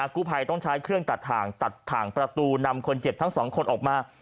กู้ภัยต้องใช้เครื่องตัดถ่างตัดถ่างประตูนำคนเจ็บทั้งสองคนออกมา